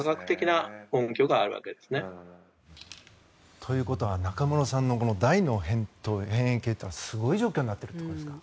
ということは中室さんの大脳辺縁系というのはすごい状況になってるということですか。